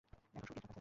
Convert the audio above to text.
এখন সব ঠিক আছে।